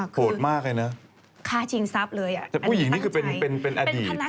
โหดมากคือค่าจริงทรัพย์เลยตั้งใจแต่ผู้หญิงนี่คือเป็นอดีตใช่ไหม